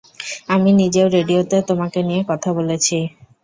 আমি নিজেও রেডিওতে তোমাকে নিয়ে কথা বলেছি।